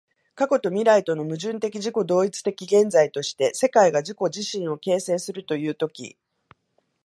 過去と未来との矛盾的自己同一的現在として、世界が自己自身を形成するという時